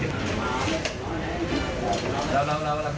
คุณจะช่วยหรือเปล่า